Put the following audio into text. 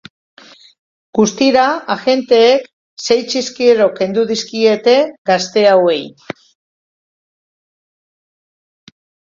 Guztira, agenteek sei txiskero kendu dizkiete gazte hauei.